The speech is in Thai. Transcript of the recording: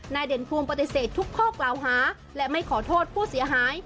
เด่นภูมิปฏิเสธทุกข้อกล่าวหาและไม่ขอโทษผู้เสียหาย